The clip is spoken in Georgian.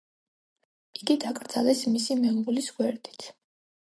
იგი დაკრძალეს მისი მეუღლის გვერდით.